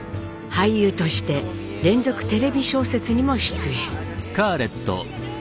俳優として連続テレビ小説にも出演。